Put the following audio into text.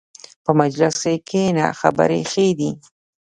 په مجلس کښېنه، خبرې ښې دي.